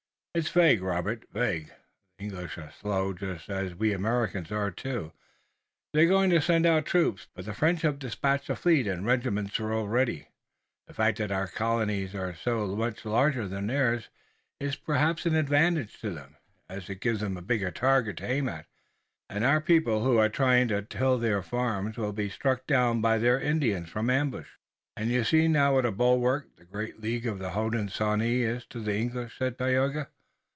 "It's vague, Robert, vague. The English are slow, just as we Americans are, too. They're going to send out troops, but the French have dispatched a fleet and regiments already. The fact that our colonies are so much larger than theirs is perhaps an advantage to them, as it gives them a bigger target to aim at, and our people who are trying to till their farms, will be struck down by their Indians from ambush." "And you see now what a bulwark the great League of the Hodenosaunee is to the English," said Tayoga.